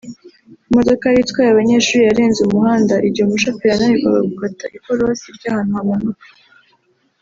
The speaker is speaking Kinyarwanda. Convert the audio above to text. imodoka yari itwaye abanyeshuri yarenze umuhanda igihe umushoferi yananirwaga gukata ikorosi ry’ahantu hamanuka